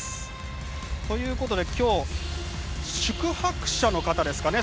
ということで今日宿泊者の方ですかね。